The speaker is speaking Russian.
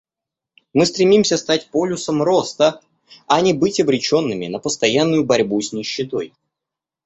Мы стремимся стать полюсом роста, а не быть обреченными на постоянную борьбу с нищетой.